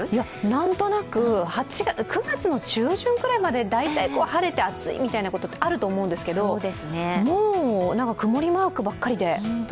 なんとなく、９月の中旬くらいまで大体晴れて暑いみたいなことがあると思うんですけどもう曇りマークばっかりで。